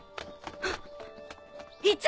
あっ。